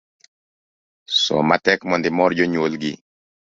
Som matek mondo imor jonyuol gi